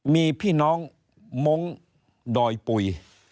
มีพี่น้องมงค์ดอยปุ๋ย